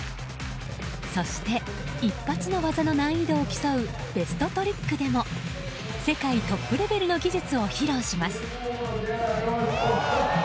そして一発の技の難易度を競うベストトリックでも世界トップレベルの技術を披露します。